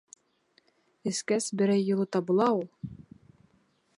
Эскәс берәй юлы табыла ул!